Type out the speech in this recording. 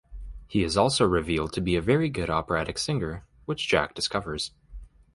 He is also revealed to be a very good operatic singer, which Jack discovers.